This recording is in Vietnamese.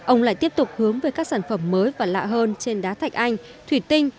ông lại tiếp tục hướng về các sản phẩm mới và lạ hơn trên đá thạch anh thủy tinh